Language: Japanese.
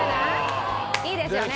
いいですよね？